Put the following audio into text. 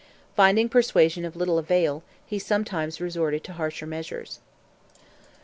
Finding persuasion of little avail, he sometimes resorted to harsher measures. Dr.